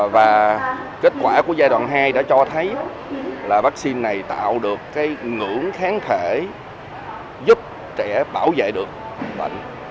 và kết quả của giai đoạn hai đã cho thấy là vaccine này tạo được cái ngưỡng kháng thể giúp trẻ bảo vệ được bệnh